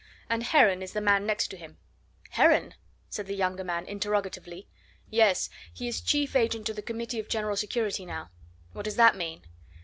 And Heron is the man next to him." "Heron?" said the younger man interrogatively. "Yes. He is chief agent to the Committee of General Security now." "What does that mean?"